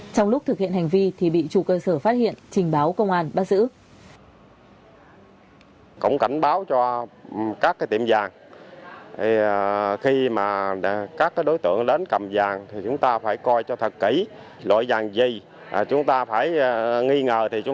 trong lúc thực hiện hành vi thì bị chủ cơ sở phát hiện trình báo công an bắt giữ